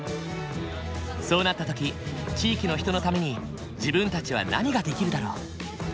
そうなった時地域の人のために自分たちは何ができるだろう？